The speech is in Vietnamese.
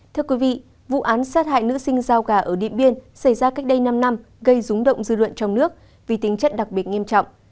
thưa quý vị vụ án sát hại nữ sinh giao gà ở điện biên xảy ra cách đây năm năm gây rúng động dư luận trong nước vì tính chất đặc biệt nghiêm trọng